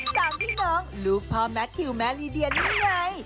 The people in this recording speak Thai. สามพี่น้องลูกพ่อแมททิวแม่ลีเดียนี่ไง